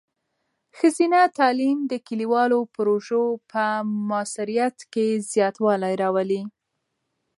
ښځینه تعلیم د کلیوالو پروژو په مؤثریت کې زیاتوالی راولي.